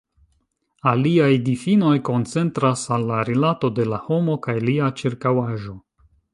Aliaj difinoj koncentras al la rilato de la homo kaj lia ĉirkaŭaĵo.